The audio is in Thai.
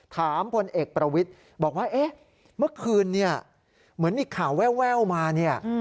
พลเอกประวิทย์บอกว่าเอ๊ะเมื่อคืนเนี่ยเหมือนมีข่าวแววมาเนี่ย